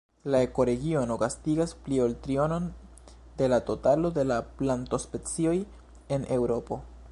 La ekoregiono gastigas pli ol trionon de la totalo de la plantospecioj en Eŭropo.